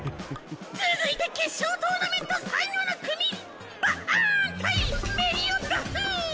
続いて決勝トーナメント最後の組バーン対メリオダフ！